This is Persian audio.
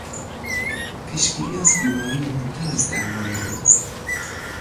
پیشگیری از بیماری مهمتر از درمان آن است.